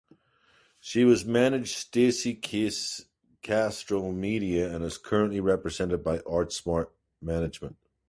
She was managed Stacey Castro Media and is currently represented by ArtSmart Management.